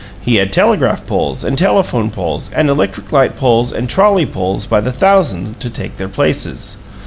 He had telegraph poles and telephone poles and electric light poles and trolley poles by the thousand to take their places.